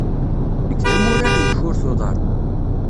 Nekk d amurar n tkurt-uḍar.